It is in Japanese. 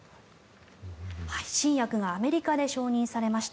新薬がアメリカで承認されました。